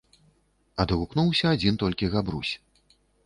- адгукнуўся адзiн толькi Габрусь.